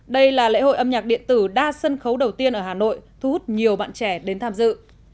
đây là lễ hội âm nhạc điện tử đa sân khấu đầu tiên ở hà nội thu hút nhiều bạn trẻ đến tham dự